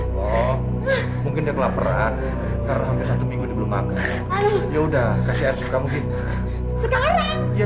kenapa sih ini mungkin kelaparan karena satu minggu belum makan ya udah kasih air